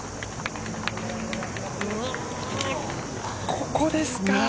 ここですか。